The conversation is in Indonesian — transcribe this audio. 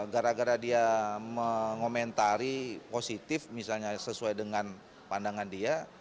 gara gara dia mengomentari positif misalnya sesuai dengan pandangan dia